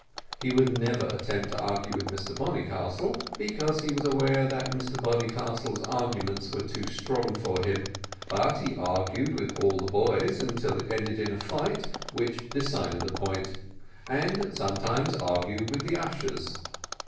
He never would attempt to argue with Mr Bonnycastle, because he was aware that Mr Bonnycastle's arguments were too strong for him, but he argued with all the boys until it ended in a fight which decided the point; and he sometimes argued with the ushers.